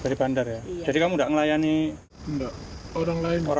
dari bandar ya jadi kamu nggak ngelayani orang lain gitu